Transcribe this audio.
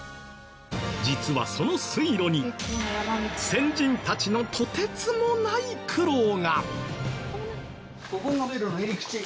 実はその水路に先人たちのとてつもない苦労が。